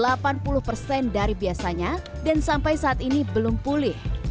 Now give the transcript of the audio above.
sejak tahun dua ribu dua puluh ebe batik sudah menurun dari biasanya dan sampai saat ini belum pulih